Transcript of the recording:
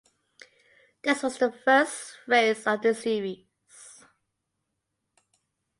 This was the first race of the series.